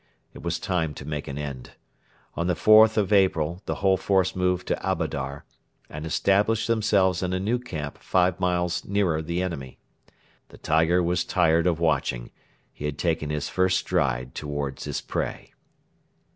It was time to make an end. On the 4th of April the whole force moved to Abadar, and established themselves in a new camp five miles nearer the enemy. The tiger was tired of watching: he had taken his first stride towards his prey.